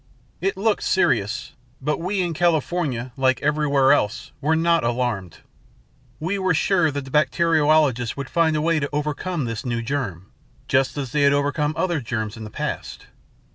"It looked serious, but we in California, like everywhere else, were not alarmed. We were sure that the bacteriologists would find a way to overcome this new germ, just as they had overcome other germs in the past.